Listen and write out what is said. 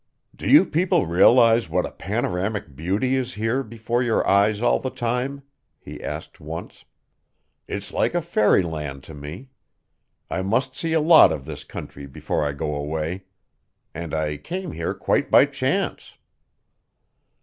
"Do you people realize what a panoramic beauty is here before your eyes all the time?" he asked once. "It's like a fairyland to me. I must see a lot of this country before I go away. And I came here quite by chance."